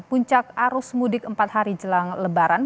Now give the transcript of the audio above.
puncak arus mudik empat hari jelang lebaran